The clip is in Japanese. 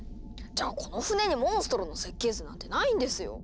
じゃあこの船にモンストロの設計図なんてないんですよ。